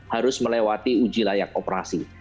harus melewati uji layak operasi